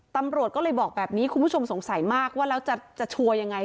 ตำรวจก็เลยบอกแบบนี้คุณผู้ชมสงสัยมากว่าแล้วจะชัวร์ยังไง